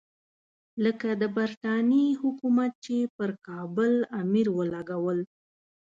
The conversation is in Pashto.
لکه د برټانیې حکومت چې پر کابل امیر ولګول.